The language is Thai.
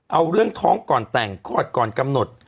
เอาเรื่องท้องก่อนแต่งคลอดก่อนกำหนด